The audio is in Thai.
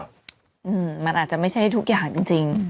อืมมันอาจจะไม่ใช่ทุกอย่างจริง